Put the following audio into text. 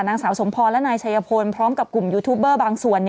นางสาวสมพรและนายชัยพลพร้อมกับกลุ่มยูทูบเบอร์บางส่วน